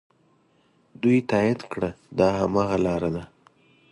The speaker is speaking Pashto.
دوی تایید کړه دا هماغه لاره ده.